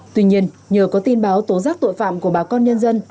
tuy nhiên nhờ có tin báo tố giác tội phạm của bà con nhân dân